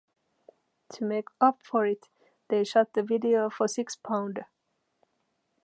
To make up for it, they shot the video for "Sixpounder".